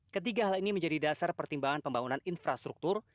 ketiga hal ini menjadi dasar pertimbangan pembangunan infrastruktur